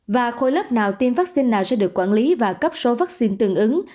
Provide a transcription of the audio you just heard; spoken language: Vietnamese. và khối lớp nào tiêm vaccine nào sẽ được quản lý và cấp số vaccine tương ứng